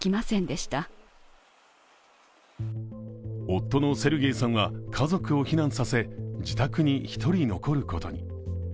夫のセルゲイさんは家族を避難させ自宅に一人、残ることに。